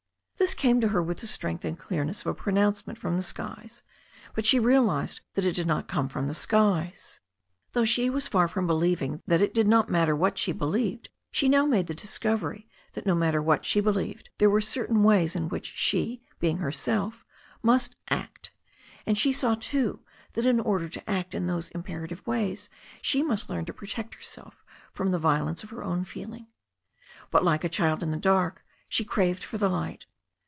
This came to her with the strength and clearness of a pronouncement from the skies, but she realized that it did not come from the skies. Though she was far from be lieving that it did not matter what she believed, she now THE STORY OF A NEW ZEALAND RIVER 139 made the discovery that no matter what she believed there were certain ways in which she, being herself, must act. And she saw, too, that in order to act in those imperative ways she must learn to protect herself from the violence of her own feeling. But like a child in the dark, she craved for the light.